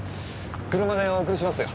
車でお送りしますよ。